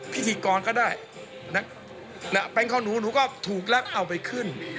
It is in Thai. พิธีกรก็ได้นะเป็นของหนูหนูก็ถูกแล้วเอาไปขึ้น